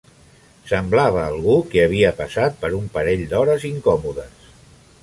Semblava algú que havia passat per un parell d'hores incòmodes.